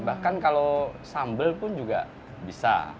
bahkan kalau sambal pun juga bisa